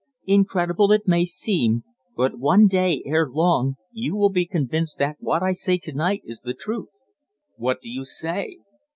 "Incredible it may seem; but one day ere long you will be convinced that what I say to night is the truth." "What do you say?"